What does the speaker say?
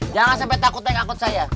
jangan sampai takut naik angkut saya